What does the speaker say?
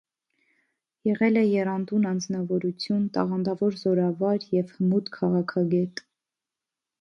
Եղել է եռանդուն անձնավորություն, տաղանդավոր զորավար և հմուտ քաղաքագետ։